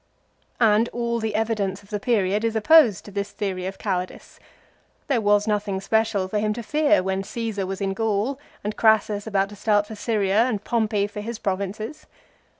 And all the evidence of the period is opposed to this theory of cowardice. There was nothing special for him to fear when Caesar was in Gaul and Crassus about to start for Syria and Pompey for his provinces.